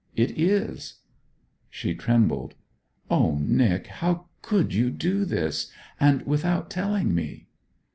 'It is.' She trembled. 'O Nic! how could you do this and without telling me!'